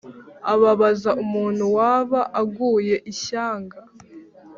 ababaza umuntu waba aguye ishyanga